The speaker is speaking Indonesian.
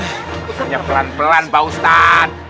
punya pelan pelan pak ustadz